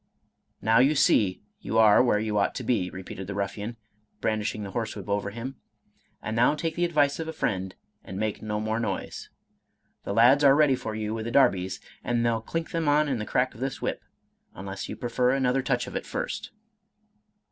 " Now you see you are where you ought to be," repeated the ruffian, brandishing the horse whip over him, " and now take the advice of a friend, and make no more noise. The lads are ready for you with the darbies, and they'll clink them on in the crack of this whip, unless you prefer another touch of it first."